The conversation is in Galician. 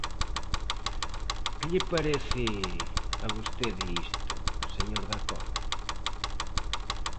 ¿Que lle parece a vostede isto, señor Dacova?